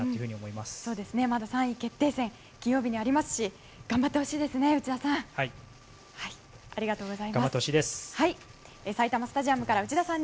まだ３位決定戦金曜日にありますし頑張ってほしいですね内田さん。